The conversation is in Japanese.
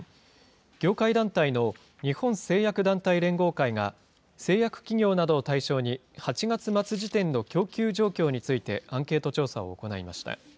業界団体の日本製薬団体連合会が製薬企業などを対象に、８月末時点の供給状況についてアンケート調査を行いました。